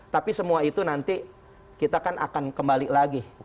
tapi semua itu nanti kita akan kembali lagi